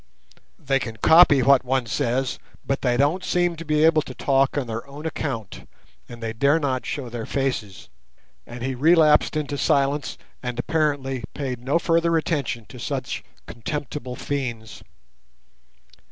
"They can copy what one says, but they don't seem to be able to talk on their own account, and they dare not show their faces," and he relapsed into silence, and apparently paid no further attention to such contemptible fiends.